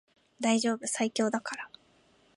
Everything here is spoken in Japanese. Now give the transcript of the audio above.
大丈夫最強だから